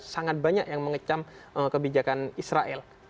sangat banyak yang mengecam kebijakan israel